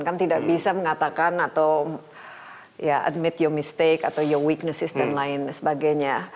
kan tidak bisa mengatakan atau admit your mistake atau your weaknesses dan lain sebagainya